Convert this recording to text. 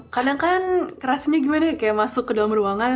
kadang kan rasanya gimana kayak masuk ke dalam ruangan